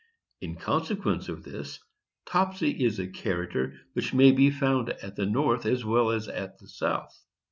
In consequence of this, Topsy is a character which may be found at the North as well as at the South.